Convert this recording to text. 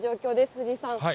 藤井さん。